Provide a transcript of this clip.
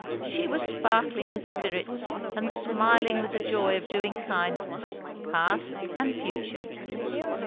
She was sparkling with spirits, and smiling with the joy of doing kindness, past and future.